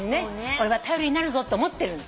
俺は頼りになるぞと思ってる。